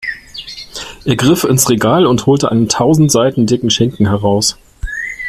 Er griff ins Regal und holte einen tausend Seiten dicken Schinken heraus.